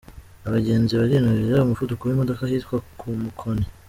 Abagenzi barinubira umuvuduko w’imodoka ahitwa ku Mukoni